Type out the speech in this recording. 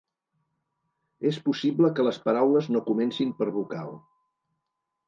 És possible que les paraules no comencin per vocal.